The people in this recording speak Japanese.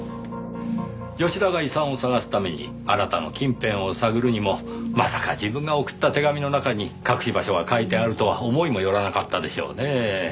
吉田が遺産を探すためにあなたの近辺を探るにもまさか自分が送った手紙の中に隠し場所が書いてあるとは思いもよらなかったでしょうねぇ。